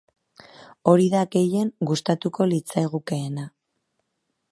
Hori da gehien gustatuko litzaigukeena.